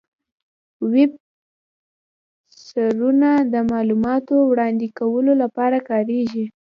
ویب سرورونه د معلوماتو وړاندې کولو لپاره کارېږي.